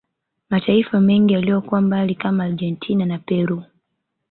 Mataifa mengi yaliyokuwa mbali kama Argentina na Peru